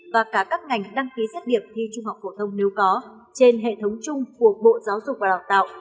và cả các ngành đăng ký xét điểm thi trung học phổ thông nếu có trên hệ thống chung của bộ giáo dục và đào tạo